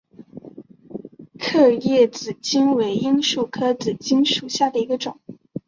刻叶紫堇为罂粟科紫堇属下的一个种。